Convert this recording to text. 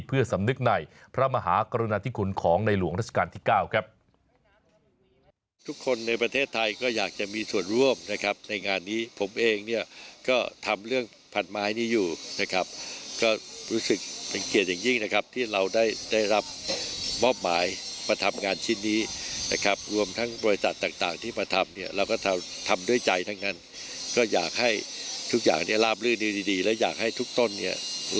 เพื่อสำนึกในพระมหากรุณาธิคุณของในหลวงราชการที่๙ครับ